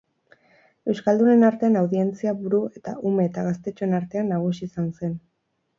Euskaldunen artean audientzia-buru, eta ume eta gaztetxoen artean nagusi izan zen.